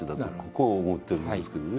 こう思っておりますけれどね。